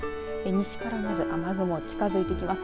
西から、まず雨雲、近づいてきます。